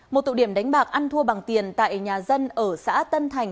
một tụ điểm đánh bạc ăn thua bằng tiền tại nhà dân ở xã tân thành